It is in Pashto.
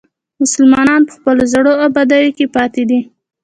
مسلمانان په خپلو زړو ابادیو کې پاتې دي.